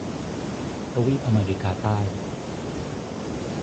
ทวีปอเมริกาใต้